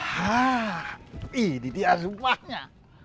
hah ini dia rumahnya